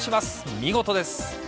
見事です。